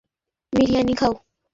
টাকা নাই ঘরে, বিরিয়ানি খাও।